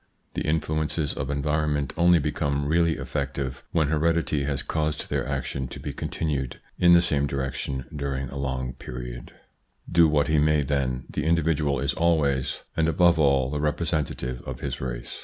The influences of environment only become really effective when heredity has caused their action to be continued in the same direction during a long period. io THE PSYCHOLOGY OF PEOPLES : Do what he may, then, the individual is always and above all the representative of his race.